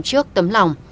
trước tấm lòng